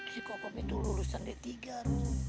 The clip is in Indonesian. si kokom itu lulusan d tiga rum